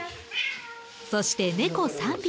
そして猫３匹。